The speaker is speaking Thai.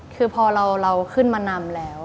คือพอเราขึ้นมานำแล้ว